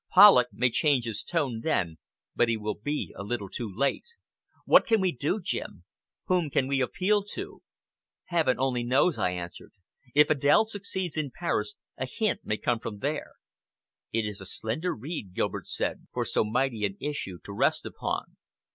Polloch may change his tone then, but he will be a little too late. What can we do, Jim? Whom can we appeal to?" "Heaven only knows!" I answered. "If Adèle succeeds in Paris, a hint may come from there." "It is a slender reed," Gilbert said, "for so mighty an issue to rest upon."